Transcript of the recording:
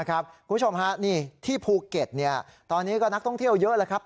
คุณผู้ชมฮะนี่ที่ภูเก็ตตอนนี้ก็นักท่องเที่ยวเยอะแล้วครับ